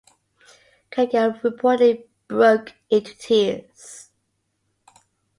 Caragiale reportedly broke into tears.